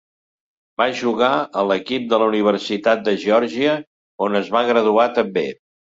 Va jugar a l'equip de la Universitat de Georgia, on es va graduar també.